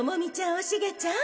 おシゲちゃん